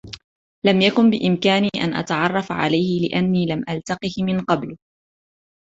لم يكن بإمكاني أن أتعرف عليه لأني لم ألتقه من قبل.